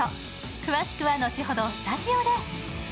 詳しくは後ほどスタジオで。